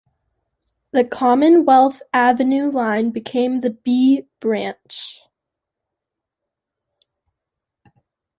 The Commonwealth Avenue Line became the "B" Branch.